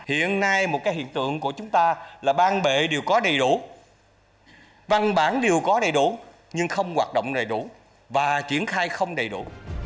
hiện nay một hiện tượng của chúng ta là ban bệ đều có đầy đủ văn bản đều có đầy đủ nhưng không hoạt động đầy đủ và triển khai không đầy đủ